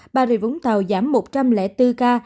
bà rịa vũng tàu giảm một trăm linh bốn ca